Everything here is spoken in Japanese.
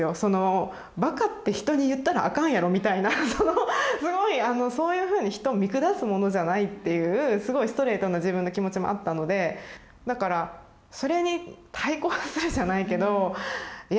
バカって人に言ったらあかんやろみたいなすごいそういうふうに人を見下すものじゃないっていうすごいストレートな自分の気持ちもあったのでだからそれに対抗するじゃないけどいや